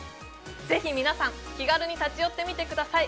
ぜひ皆さん、気軽に立ち寄ってみてください。